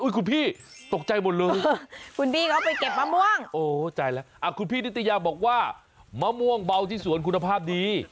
คุณพี่ตกใจหมดเลยคุณพี่เขาไปเก็บมะม่วงโอ้ใจแล้วคุณพี่นิตยาบอกว่ามะม่วงเบาที่สวนคุณภาพดี